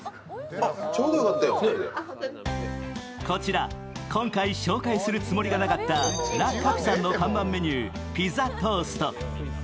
こちら今回紹介するつもりがなかったＬａｃａｐｉさんの看板メニューピザトースト。